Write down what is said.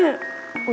ya sudah pak